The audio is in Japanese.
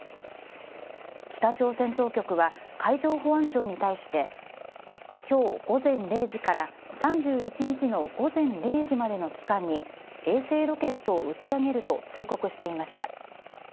北朝鮮当局は海上保安庁に対して今日午前０時から３１日の午前０時までの期間に衛星ロケットを打ち上げると通告していました。